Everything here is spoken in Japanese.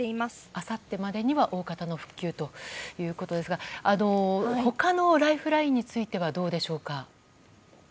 あさってまでには大方の復旧ということですが他のライフラインについてはどうでしょうか？